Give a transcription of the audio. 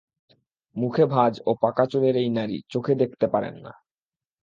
মুখে ভাঁজ ও পাকা চুলের এই নারী চোখে দেখতে পারেন না।